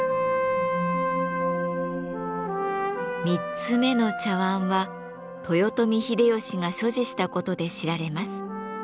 ３つ目の茶碗は豊臣秀吉が所持した事で知られます。